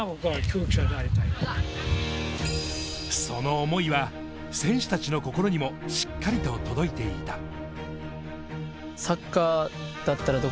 その想いは選手たちの心にもしっかりと届いていた。